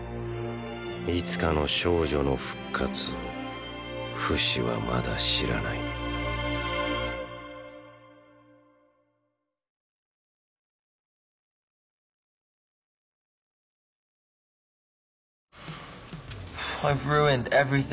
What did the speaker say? いつかの少女の復活をフシはまだ知らない何もかも全部パーだ。